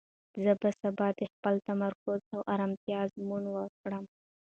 زه به سبا د خپل تمرکز او ارامتیا ازموینه وکړم.